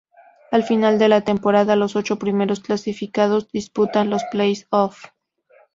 Al final de la temporada, los ocho primeros clasificados disputan los play-offs.